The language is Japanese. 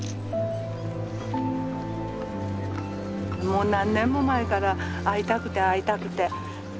もう何年も前から会いたくて会いたくて。